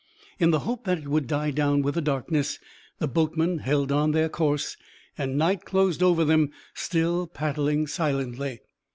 In the hope that it would die down with the darkness, the boatmen held on their course, and night closed over them still paddling silently.